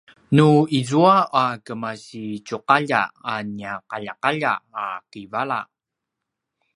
nu izua a kemasitju’alja a nia ’alja’alja a kivala